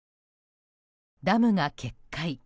ダムが決壊。